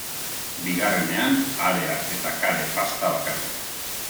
Bigarrenean, harea eta kare pasta bakarrik.